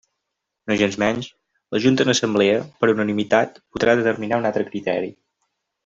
Nogensmenys, la Junta en Assemblea, per unanimitat, podrà determinar un altre criteri.